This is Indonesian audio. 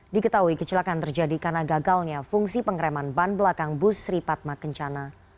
diketahui kecelakaan terjadi karena gagalnya fungsi pengereman ban belakang bus sripatma kencana